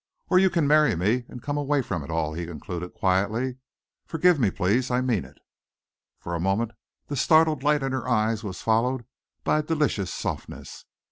"Or you can marry me and come away from it all," he concluded quietly. "Forgive me, please I mean it." For a moment the startled light in her eyes was followed by a delicious softness.